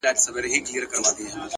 پوهه د نظر زاویه پراخوي